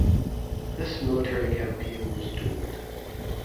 This military campaign was doomed.